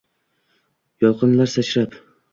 Yolqinlar sachrab